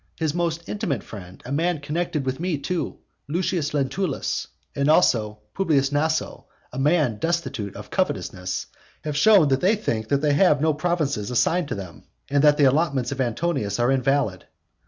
His most intimate friend, a man connected with me too, Lucius Lentulus, and also Publius Naso, a man destitute of covetousness, have shown that they think that they have no provinces assigned them, and that the allotments of Antonius are invalid.